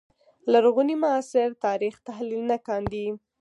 لرغوني معاصر تاریخ تحلیل نه کاندي